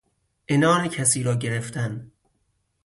عنان کسی را گرفتن